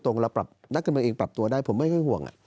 เราปรับนักการเมืองเองปรับตัวได้ผมไม่ค่อยห่วง